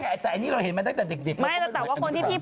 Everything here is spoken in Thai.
คนแรกไม่ใช่